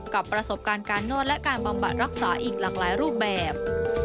กับประสบการณ์การนวดและการบำบัดรักษาอีกหลากหลายรูปแบบ